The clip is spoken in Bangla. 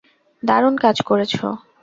দারুণ কাজ করেছো!